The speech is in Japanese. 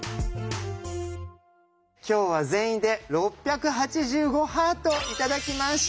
今日は全員で６８５ハート頂きました。